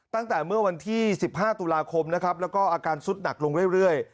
ตั้งแต่เมื่อวันที่๑๕ตุลาคมนะครับแล้วก็อาการสุดหนักลงเรื่อย